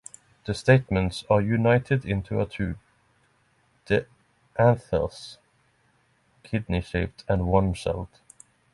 The stamens are united into a tube, the anthers, kidney-shaped and one-celled.